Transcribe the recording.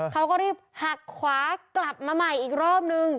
เขาก็รีบหักขวากลับมาใหม่อีกรอบนึง